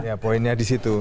ya poinnya di situ